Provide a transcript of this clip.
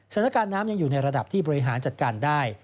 สถานการณ์น้ำยังอยู่ในระดับที่บริหารจัดการได้